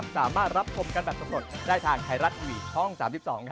สวัสดีค่ะ